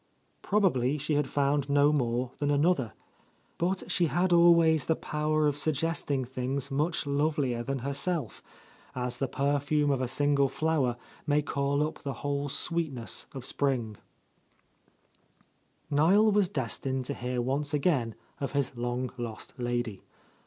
Probably she had found no more than another; but she had always the power of suggesting things much lovelier than herself, as the perfume of a single flower may call up the whole sweetness of spring, Niel was destined to hear once again of his long lost lady.